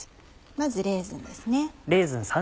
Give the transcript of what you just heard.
まずレーズンですね。